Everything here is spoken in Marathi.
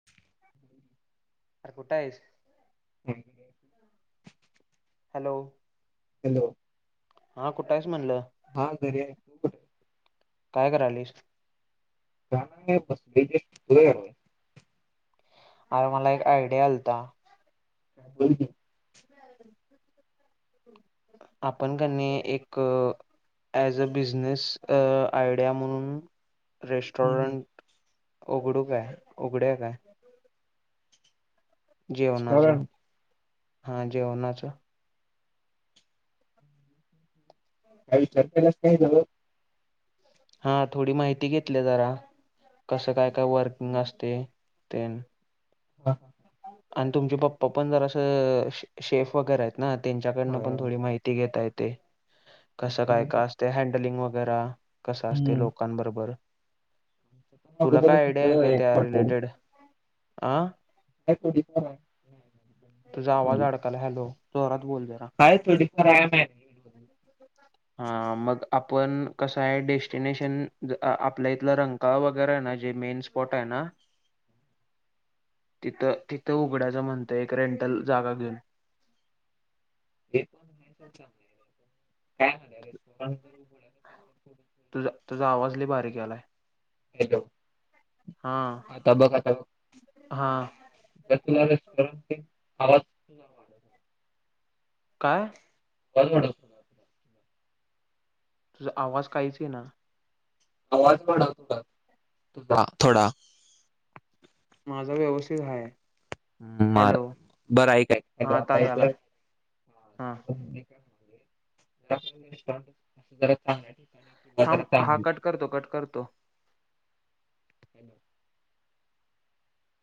[unintelligible] आ कुठं आहेस. हम्. हॅलो. ह. हा कुठं आहेच म्हणलं. हा दर आहे तू कुठ. काय करायलस. ना बसजेस्र. अरे मला एक आयडिया आलता. ब [unintelligible] आपण क एक. ॲज अ बिझनेस आयडिया म्हणून. हम्म हम्म रेस्टॉरंट उघडू काय उघड काय. जेवणाचं कारण हा जेवणाच. ह ह. त्या विचार केलाच नाही झागं. हा थोडी माहिती घेतली जरा कसं काय काय वर्किंग असते ते. हा हा. आणि तुमचे पप्पा पण जर असं शेफ वगैरे आहेत ना त्यांच्याकडनं होय पण होय. थोडी माहिती. घता येते ते कस पण काय आहे. का असते हँडलिंग वगैर कसं असते हम्म लोक. दकबरोबर तुला अगोदर काय आयडिया आहे होतं काय एक त्या हॉटेल रिलेटेड. आ. ह क. तुझा आवाज अडकला हलो जोरात बोल दे ना. तोडीपय. हो. हा मग आपण कसं आहे डेस्टिनेशन आपल्या इथलं रंकाळ वगैरे आहे ना जे मेन्स. फट आहे ना. तिथं तिथं उघड्याचं म्हणतं एक रेंटल जागा घेऊन. हे पण नाहीे काय म्ह अरेण. तुझा तुझा आवाज ल बारीक आलाय. हॅलो, हा आता बघ आता, हा आवाजऽ हवा, काय? ब मोठऽ तुझा आवाज काहीच इना. आवाज पण थोडा,, तुझा,, थोडा. माझा व्यवस्थित हाय. मार, बरं ऐक ऐक. हा आता यालाय हा अस जरा चांगणी. थांब, हा कट करतो, कट करतो, हॅलो,